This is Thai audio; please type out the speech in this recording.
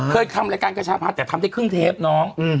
เคยทำรายการกระชาพาแต่ทำได้ครึ่งเทปน้อง